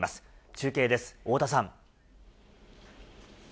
中継です、太田さん。